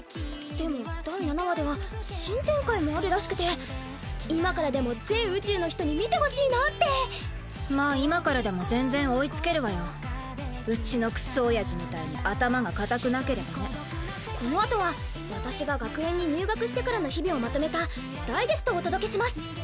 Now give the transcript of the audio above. でも第７話では新展開もあるらしくて今からでも全宇宙の人に見てほしいなってまあ今からでも全然追いつけるわようちのクソおやじみたいに頭が固くなければねこのあとは私が学園に入学してからの日々をまとめたダイジェストをお届けします